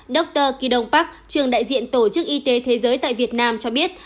dr kido pak trường đại diện tổ chức y tế thế giới tại việt nam cho biết